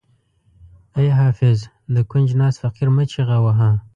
ای حافظ د کونج ناست فقیر مه چیغه وهه.